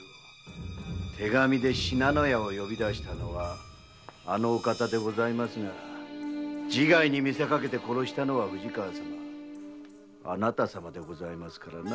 手紙で信濃屋を呼び出したのはあの方でございますが自害に見せかけて殺したのは藤川様あなた様ですからな。